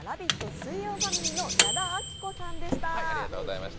水曜ファミリーの矢田亜希子さんでした。